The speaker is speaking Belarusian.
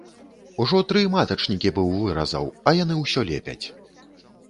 Ужо тры матачнікі быў выразаў, а яны ўсё лепяць.